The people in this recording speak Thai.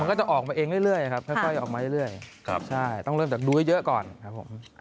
มันก็จะออกมาเองเรื่อยครับค่อยออกมาเรื่อยใช่ต้องเริ่มจากดูให้เยอะก่อนครับผม